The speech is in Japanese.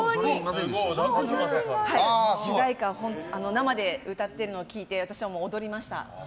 主題歌を生で歌っているのを聴いて私は踊りました。